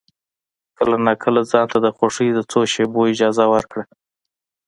کله ناکله ځان ته د خوښۍ د څو شېبو اجازه ورکړه.